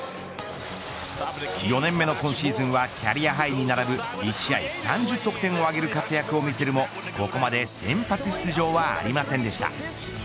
４年目の今シーズンはキャリアハイに並ぶ、１試合３０得点を挙げる活躍を見せるもののここまで先発出場はありませんでした。